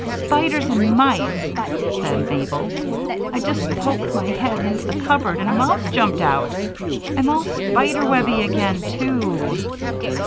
"Spiders and mice," said Mabel. "I just poked my head into the cupboard and a mouse jumped out. I'm all spider webby again, too."